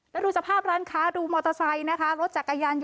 แล้วก็ดูสภาพร้านค้าดูมอเตอร์ไซน์นะคะ